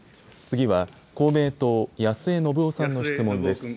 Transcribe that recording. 次は公明党、安江伸夫さんの質問です。